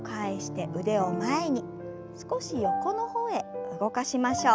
少し横の方へ動かしましょう。